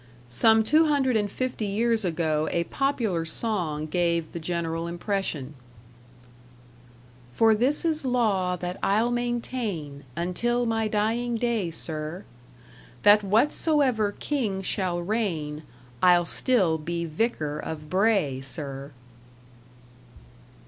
Some two hundred and fifty years ago a popular song gave the general impression For this is law that I'll maintain Until my dying day, sir: That whatsoever king shall reign I'll still be vicar of Bray, sir!